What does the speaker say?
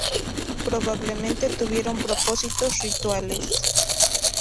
Probablemente tuvieron propósitos rituales.